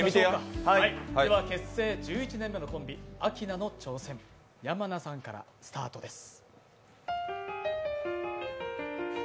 結成１１年目のコンビアキナの山名さんからスタートです。